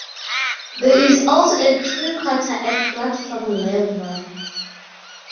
There is also a crew quarter at platform level.